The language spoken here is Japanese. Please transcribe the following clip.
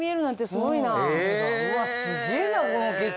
うわすげえなこの景色